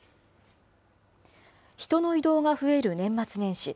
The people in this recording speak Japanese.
人の移動が増える年末年始。